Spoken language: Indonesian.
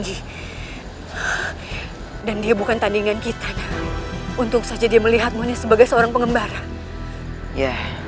tidak ray itu tidak mungkin ray kau pasti salah mendengarnya ray